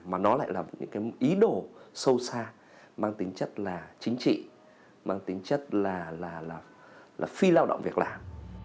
mà nó lại là những cái ý đồ sâu xa mang tính chất là chính trị mang tính chất là phi lao động việc làm